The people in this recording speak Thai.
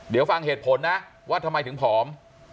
เดี๋ยวฟังเหตุผลนะว่าทำไมถึงผอม